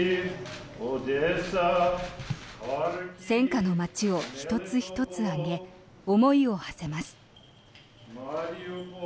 戦火の街を１つ１つ挙げ思いをはせます。